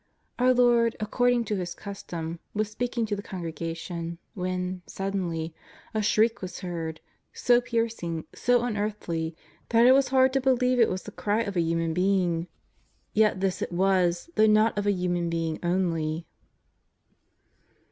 Our Lord, according to His custom, was speaking to the congregation, when, suddenly, a shriek was heard, so piercing, so unearthly, that it was hard to believe it was the cry of a human being Yet this it was, though not of a human being only.